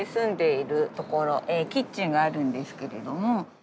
キッチンがあるんですけれども。